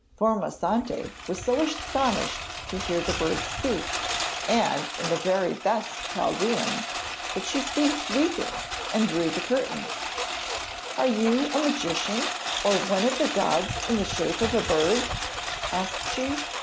Formosante was so astonished to hear the bird speak and in the very best Chaldæan that she ceased weeping and drew the curtains. 'Are you a magician or one of the gods in the shape of a bird?' asked she.